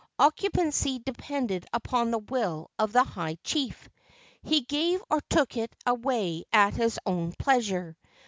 Occupancy de¬ pended upon the will of the high chief. He gave or took away at his own pleasure.